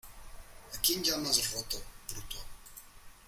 ¿ A quién llamas roto, bruto?